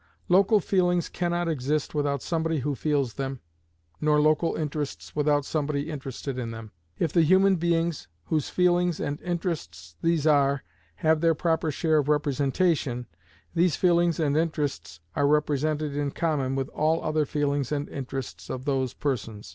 Local feelings can not exist without somebody who feels them, nor local interests without somebody interested in them. If the human beings whose feelings and interests these are have their proper share of representation, these feelings and interests are represented in common with all other feelings and interests of those persons.